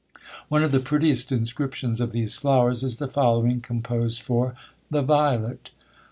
One of the prettiest inscriptions of these flowers is the following, composed for THE VIOLET.